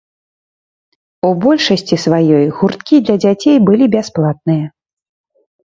У большасці сваёй гурткі для дзяцей былі бясплатныя.